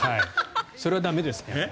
それは駄目ですね。